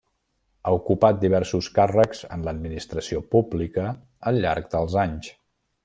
Ha ocupat diversos càrrecs en l'administració pública al llarg dels anys.